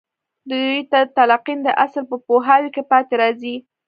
دوی د تلقين د اصل په پوهاوي کې پاتې راځي.